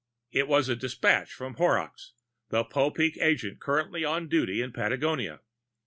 It was a despatch from Horrocks, the Popeek agent currently on duty in Patagonia.